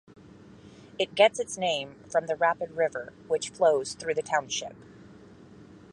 It gets its name from the Rapid River which flows through the township.